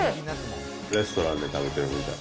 レストランで食べてるみたい。